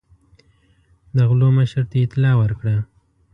د غلو مشر ته اطلاع ورکړه.